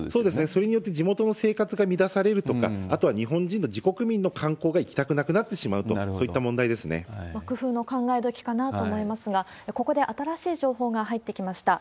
それによって地元の生活が乱されるとか、あとは日本人の自国民の観光が行きたくなくなってしまうと、そう工夫の考え時かなと思いますが、ここで新しい情報が入ってきました。